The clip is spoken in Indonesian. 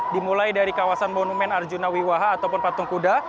dimulai dari kawasan monumen arjuna wiwaha ataupun patung kuda